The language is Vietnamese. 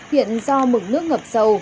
hiện do mực nước ngập sâu